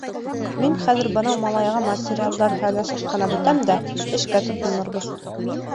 Мин хәҙер бынау малайға материалдар һайлашып ҡына бөтәм дә, эшкә тотонорбоҙ.